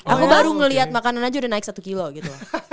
aku baru ngeliat makanan aja udah naik satu kilo gitu